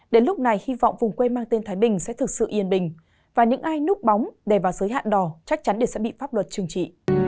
đến lúc này hy vọng vùng quê mang tên thái bình sẽ thực sự yên bình và những ai núp bóng để vào giới hạn đỏ chắc chắn sẽ bị pháp luật trừng trị